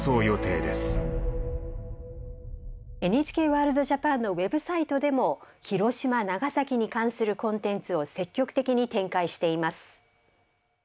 「ＮＨＫワールドＪＡＰＡＮ」のウェブサイトでも広島・長崎に関するコンテンツを積極的に展開しています。